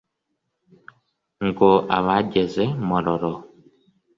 Ngo abageze i Mpororo